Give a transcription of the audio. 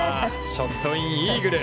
ショットインイーグル。